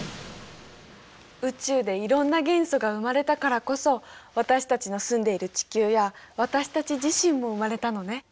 宇宙でいろんな元素が生まれたからこそ私たちの住んでいる地球や私たち自身も生まれたのね。